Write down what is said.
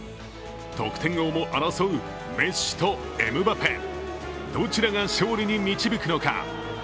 得点王を争うメッシとエムバペどちらが勝利に導くのか。